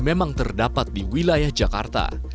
memang terdapat di wilayah jakarta